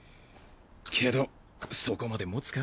けどそこまで持つか？